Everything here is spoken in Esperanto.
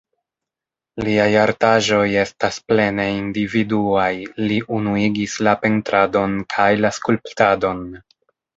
Liaj artaĵoj estas plene individuaj, li unuigis la pentradon kaj la skulptadon.